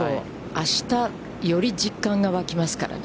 あした、より実感が湧きますからね。